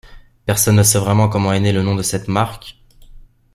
Personne ne sait vraiment comment est né le nom de cette marque.